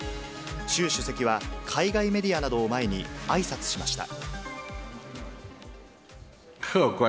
習主席は、海外メディアなどを前に、あいさつしました。